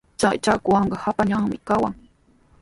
Chay chakwanqa hapallanmi kawan.